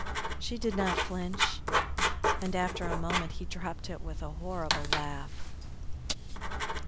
She did not flinch, and after a moment he dropped it with a horrible laugh.